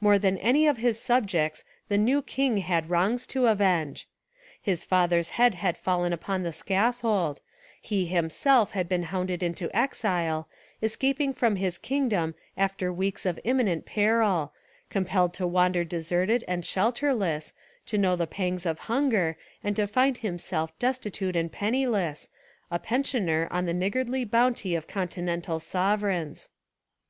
More than any of his subjects the new king had wrongs to avenge. His father's head had fallen upon the scaffold, he himself had been hounded into exile, escap ing from his kingdom after weeks of imminent peril, compelled to wander deserted and shelter less, to know the pangs of hunger and to find 288 L4 Rehabilitation of Charles II himself destitute and penniless, a pensioner on the niggardly bounty of continental sovereigns.